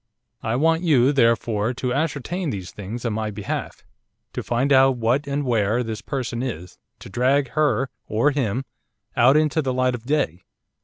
I want you, therefore, to ascertain these things on my behalf; to find out what, and where, this person is, to drag her! or him; out into the light of day.